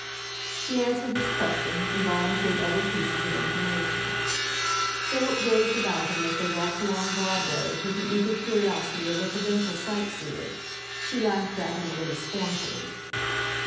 She answered his question and volunteered other pieces of information. Philip gazed about him, as they walked along Broadway, with the eager curiosity of a provincial sightseer. She laughed at him a little scornfully.